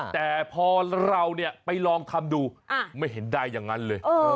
แต่พอเราไปลองทำดูไม่เห็นได้อย่างนั้นเลย